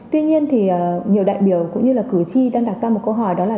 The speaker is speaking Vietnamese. tuy nhiên thì nhiều đại biểu cũng như là cử tri đang đặt ra một câu hỏi đó là